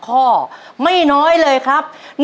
ก็ครอบครัวของพ่อไม่น้อยเลยครับ